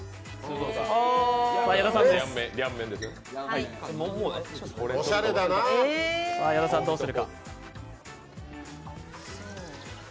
矢田さん、どれにするか。